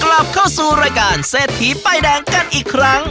กลับเข้าสู่รายการเศรษฐีป้ายแดงกันอีกครั้ง